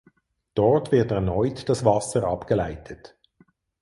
Dort wird erneut das Wasser abgeleitet.